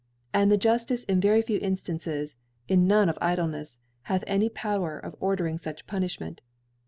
And the Juftice in very few In fiances fm none of Idlenefs) hath any Power of ordering fuch Punifliment §.